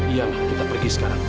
iya kita pergi sekarang